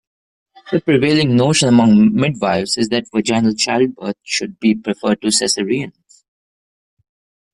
The prevailing notion among midwifes is that vaginal childbirths should be preferred to cesareans.